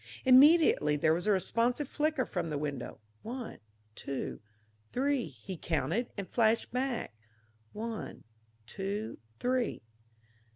Immediately there was a responsive flicker from the window: one, two, three, he counted, and flashed back: one, two, three.